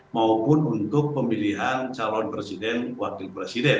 maupun untuk pemilihan calon presiden wakil presiden